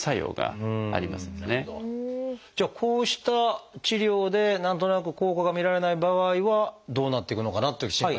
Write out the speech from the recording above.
じゃあこうした治療で何となく効果が見られない場合はどうなっていくのかなっていう心配がありますが。